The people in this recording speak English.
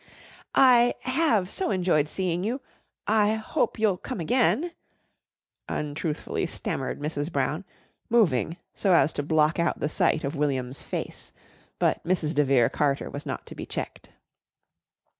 "I have so enjoyed seeing you. I hope you'll come again," untruthfully stammered Mrs. Brown, moving so as to block out the sight of William's face, but Mrs de Vere Carter was not to be checked.